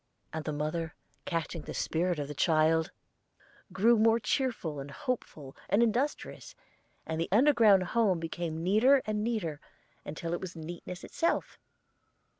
"And the mother, catching the spirit of the child, grew more cheerful and hopeful and industrious, and the under ground home became neater and neater, until it was neatness itself.